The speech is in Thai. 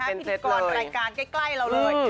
พิธีกรรายการใกล้เราเลย